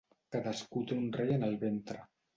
Cadascú té un rei en el ventre.